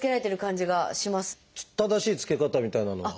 正しい着け方みたいなのは。